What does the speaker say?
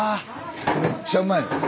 めっちゃうまいよ。